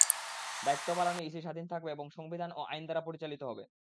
দায়িত্ব পালনে ইসি স্বাধীন থাকবে এবং সংবিধান ও আইন দ্বারা পরিচালিত হবে।